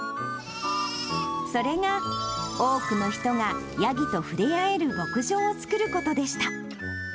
それが、多くの人がヤギとふれあえる牧場を作ることでした。